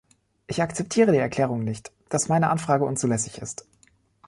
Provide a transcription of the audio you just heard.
Ich akzeptiere die Erklärung nicht, dass meine Anfrage unzulässig ist.